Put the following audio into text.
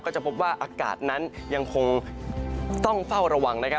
จะพบว่าอากาศนั้นยังคงต้องเฝ้าระวัง